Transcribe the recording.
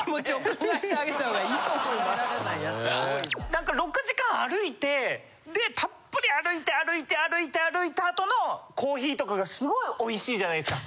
なんか６時間歩いてでたっぷり歩いて歩いて歩いた後のコーヒーとかがすごいおいしいじゃないですか。